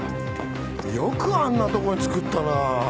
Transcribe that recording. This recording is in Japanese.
よくあんなところに造ったなぁ。